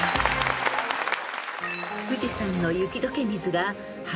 ［富士山の雪解け水が幅